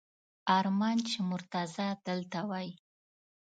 ارمان چې مرتضی دلته وای!